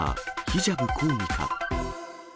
ヒジャブ抗議か。